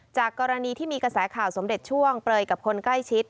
จากกรณีที่มีกระแสข่าวสมเด็จช่วงเปลยกับคนใกล้ชิด